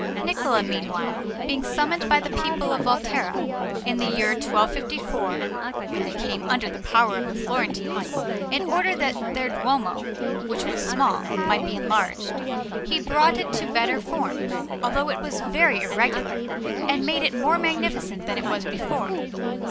Niccola, meanwhile, being summoned by the people of Volterra, in the year 1254 (when they came under the power of the Florentines), in order that their Duomo, which was small, might be enlarged, he brought it to better form, although it was very irregular, and made it more magnificent than it was before.